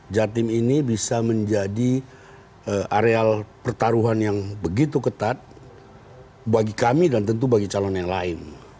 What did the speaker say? jatim ini bisa menjadi areal pertaruhan yang begitu ketat bagi kami dan tentu bagi calon yang lain